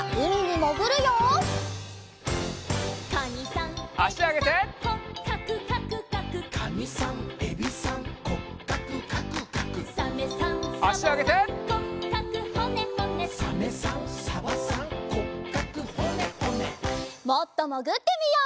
もっともぐってみよう。